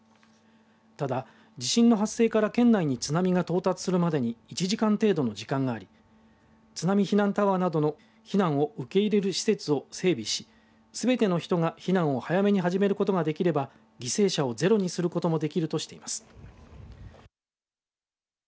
ただ、地震の発生から県内に津波が到達するまでに１時間程度の時間があり津波避難タワーなどの避難を受け入れる施設を整備しすべての人が避難を早めに始めることができれば犠牲者をゼロにすることもできるとしています。